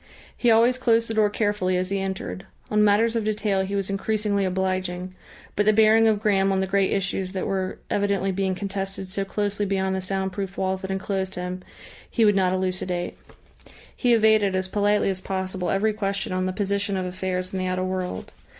He always closed the door carefully as he entered. On matters of detail he was increasingly obliging, but the bearing of Graham on the great issues that were evidently being contested so closely beyond the sound proof walls that enclosed him, he would not elucidate. He evaded, as politely as possible, every question on the position of affairs in the outer world.